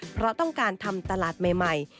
เพราะต้องการทำตลาดใหม่